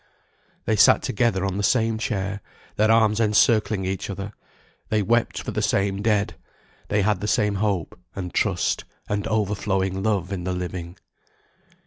They sat together on the same chair, their arms encircling each other; they wept for the same dead; they had the same hope, and trust, and overflowing love in the living.